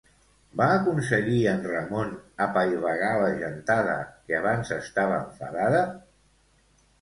Va aconseguir en Ramon apaivagar la gentada que abans estava enfadada?